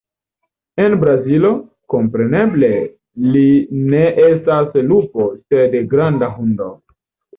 En Brazilo, kompreneble, li ne estas lupo, sed "granda hundo".